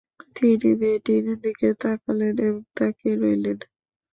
তিনি মেয়েটির দিকে তাকালেন এবং তাকিয়ে রইলেন।